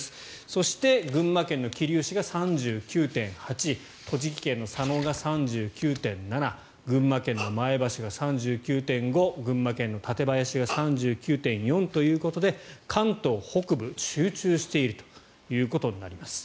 そして群馬県の桐生市が３９．８栃木県の佐野が３９．７群馬県の前橋が３９．５群馬県の館林市が３９．４ということで関東北部に集中しているということになります。